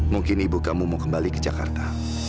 mungkin ibu kamu mau kembali ke jakarta